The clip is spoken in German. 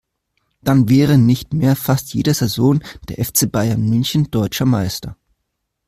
Dann wäre nicht mehr fast jede Saison der FC Bayern München deutscher Meister.